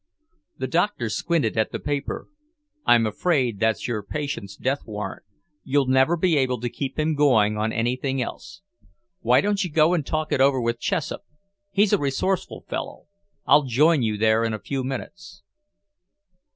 The doctor squinted at the paper. "I'm afraid that's your patient's death warrant. You'll never be able to keep him going on anything else. Why don't you go and talk it over with Chessup? He's a resourceful fellow. I'll join you there in a few minutes."